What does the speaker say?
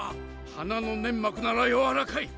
鼻の粘膜ならやわらかい。